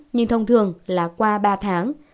nhưng thông thường là qua ba tháng